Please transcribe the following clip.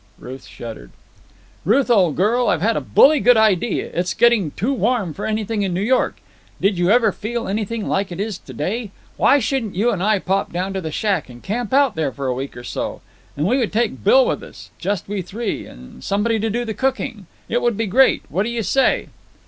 Ruth shuddered. "Ruth, old girl, I've had a bully good idea. It's getting too warm for anything in New York. Did you ever feel anything like it is to day? Why shouldn't you and I pop down to the shack and camp out there for a week or so? And we would take Bill with us. Just we three, with somebody to do the cooking. It would be great. What do you say?"